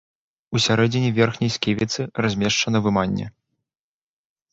У сярэдзіне верхняй сківіцы размешчана выманне.